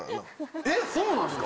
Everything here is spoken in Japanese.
えっそうなんすか？